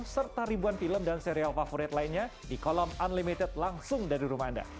serta ribuan film dan serial favorit lainnya di kolom unlimited langsung dari rumah anda